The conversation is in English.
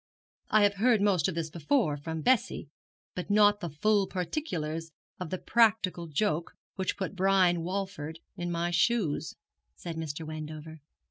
'I have heard most of this before, from Bessie, but not the full particulars of the practical joke which put Brian Walford in my shoes,' said Mr. Wendover.